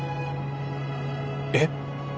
えっ？